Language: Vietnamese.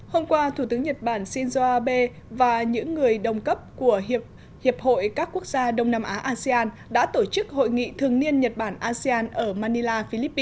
hôm qua thủ tướng nhật bản shinzo abe và những người đồng cấp của hiệp hội các quốc gia đông nam á asean đã tổ chức hội nghị thường niên nhật bản asean ở manila philippines